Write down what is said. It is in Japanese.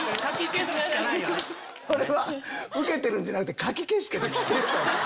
それはウケてるんじゃなくてかき消してるんです。